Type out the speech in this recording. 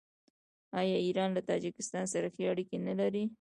آیا ایران له تاجکستان سره ښې اړیکې نلري؟